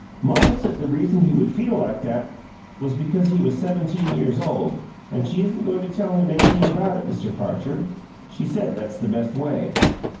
Mamma said the reason he would feel like that was because he was seventeen years old. An' she isn't goin' to tell him anything about it, Mr. Parcher. She said that's the best way."